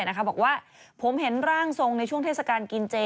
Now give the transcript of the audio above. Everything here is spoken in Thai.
บอกว่าผมเห็นร่างทรงในช่วงเทศกาลกินเจ